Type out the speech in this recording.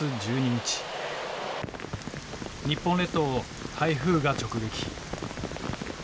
日本列島を台風が直撃。